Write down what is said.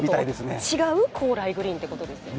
いつもと違う高麗グリーンということですよね。